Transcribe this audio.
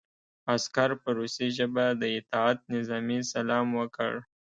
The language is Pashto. عسکر په روسي ژبه د اطاعت نظامي سلام وکړ